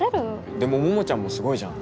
でも桃ちゃんもすごいじゃん。